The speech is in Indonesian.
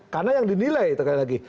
karena yang dinilai sekali lagi